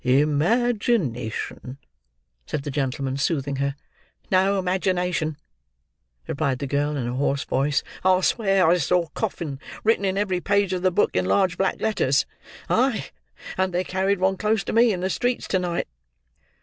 "Imagination," said the gentleman, soothing her. "No imagination," replied the girl in a hoarse voice. "I'll swear I saw 'coffin' written in every page of the book in large black letters,—aye, and they carried one close to me, in the streets to night."